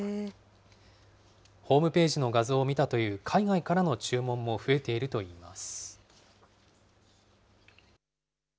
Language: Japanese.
ホームページの画像を見たという海外からの注文も増えているといいます。